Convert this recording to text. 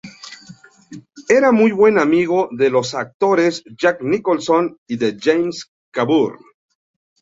Era muy buen amigo de los actores Jack Nicholson y de James Coburn.